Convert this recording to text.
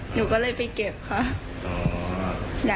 หนูก็เลยไปเก็บค่ะ